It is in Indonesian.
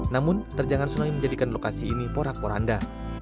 namun terjangan sungai menjadikan lokasi ini porak poranda